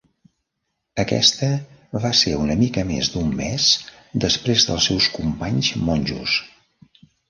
Aquesta va ser una mica més d'un mes després dels seus companys monjos.